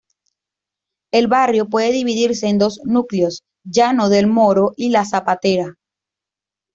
El barrio puede dividirse en dos núcleos: Llano del Moro y La Zapatera.